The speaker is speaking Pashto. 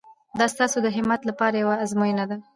دا ستاسو د همت لپاره یوه ازموینه ده.